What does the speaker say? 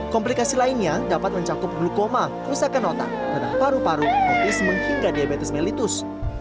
komplikasi lainnya dapat mencakup glukoma kerusakan otak tenah paru paru otisme hingga diabetes melitus